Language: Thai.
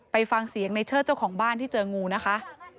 ไปฟังเสียงในเชิดเจ้าของบ้านที่เจองูนะคะ